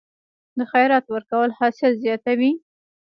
د خیرات ورکول حاصل زیاتوي؟